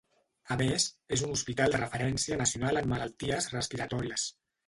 A més, és un hospital de referència nacional en malalties respiratòries.